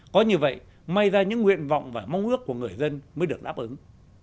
có như vậy may ra những nguyện vọng và mong ước của người dân mới được đáp ứng